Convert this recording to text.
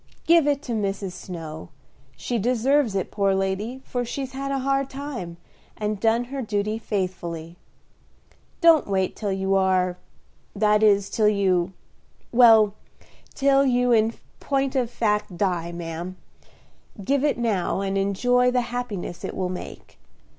Give it to Mrs. Snow; she deserves it, poor lady, for she's had a hard time, and done her duty faithfully. Don't wait till you are that is, till you well, till you in point of fact die, ma'am. Give it now, and enjoy the happiness it will make.